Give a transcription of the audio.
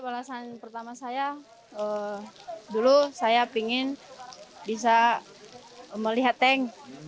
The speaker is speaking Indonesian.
alasan pertama saya dulu saya ingin bisa melihat tank